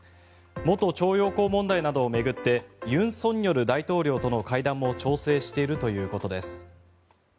元徴用工問題などを巡って尹錫悦大統領との会談も調整しているということです。